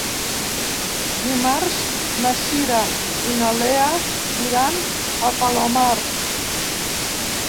Dimarts na Cira i na Lea iran al Palomar.